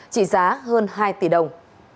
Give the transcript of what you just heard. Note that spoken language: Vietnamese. chỉ giá hơn hai tỷ đồng